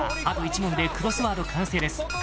あと１問でクロスワード完成です